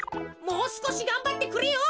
もうすこしがんばってくれよ。